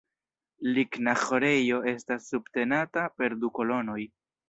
Ligna ĥorejo estas subtenata per du kolonoj.